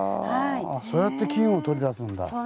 そうやって金を取り出すんだ。